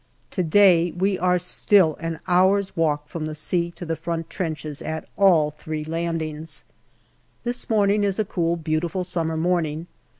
To day we are still an hour's walk from the sea to the front trenches, at all three landings. This morning is a cool, beautiful summer morning.